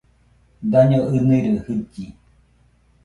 Daño ɨnɨroi jɨlli